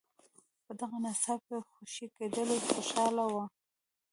په دغه ناڅاپي خوشي کېدلو خوشاله ول.